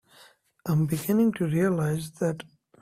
I'm beginning to realize that.